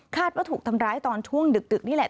ว่าถูกทำร้ายตอนช่วงดึกนี่แหละ